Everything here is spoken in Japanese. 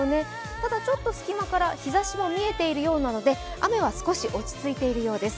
ただ、ちょっと隙間から日ざしも見えているようなので、雨は少し落ち着いているようです。